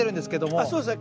ああそうですね。